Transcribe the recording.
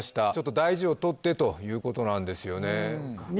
ちょっと大事をとってということなんですよね